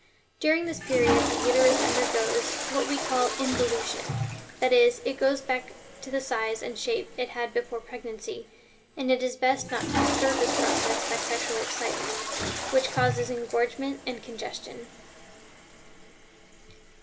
During this period the uterus undergoes what we call involution; that is, it goes back to the size and shape it had before pregnancy, and it is best not to disturb this process by sexual excitement, which causes engorgement and congestion."